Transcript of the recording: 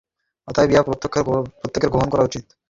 অতএব উহা প্রত্যেকের গ্রহণ করা উচিত।